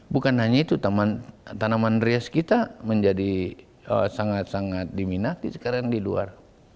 bukan hanya itu tanaman rias kita menjadi sangat sangat diminati sekarang di luar